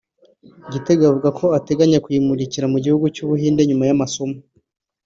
Gitego avuga ko ateganya kuyimurikira mu gihugu cy’u Buhinde nyuma y’amasomo